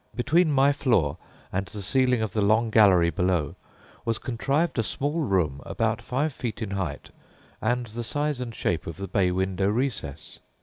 Between my floor and the ceiling of the long gallery below, was contrived a small room about five feet in height and the size and shape of the bay window recess.